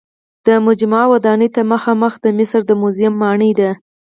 د مجمع ودانۍ ته مخامخ د مصر د موزیم ماڼۍ ده.